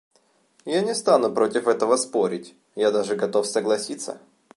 Я не стану против этого спорить, я даже готов согласиться.